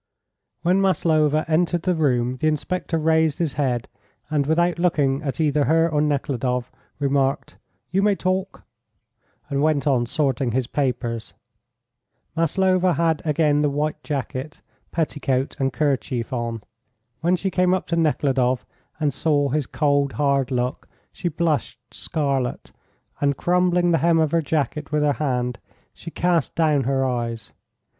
When Maslova entered the room the inspector raised his head, and, without looking at either her or Nekhludoff, remarked: "You may talk," and went on sorting his papers. Maslova had again the white jacket, petticoat and kerchief on. When she came up to Nekhludoff and saw his cold, hard look, she blushed scarlet, and crumbling the hem of her jacket with her hand, she cast down her eyes.